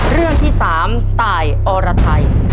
เรื่องที่๓ตายอรไทย